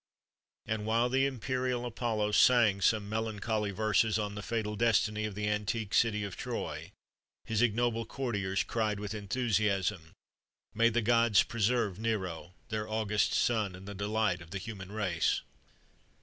And while the imperial Apollo sang some melancholy verses on the fatal destiny of the antique city of Troy, his ignoble courtiers cried with enthusiasm: "May the Gods preserve Nero, their august son, and the delight of the human race!"